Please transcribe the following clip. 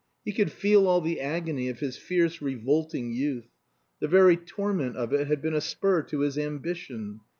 He could feel all the agony of his fierce revolting youth. The very torment of it had been a spur to his ambition.